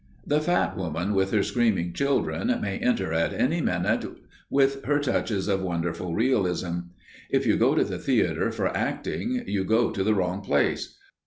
The fat woman with her screaming children may enter at any minute, with her touches of wonderful realism. If you go to the theatre for acting you go to the wrong place!